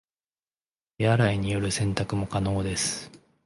手洗いによる洗濯も可能です